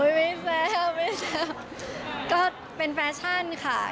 โอ๊ยไม่แซ่บก็เป็นแฟชั่นค่ะ